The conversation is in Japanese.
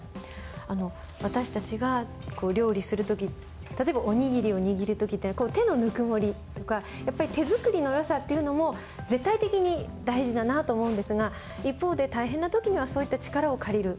私たちが料理する時例えばおにぎりを握る時ってこう手のぬくもりとかやっぱり手作りの良さっていうのも絶対的に大事だなと思うんですが一方で大変な時にはそういった力を借りる。